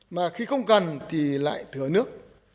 mà khi không cân thì lại thừa nước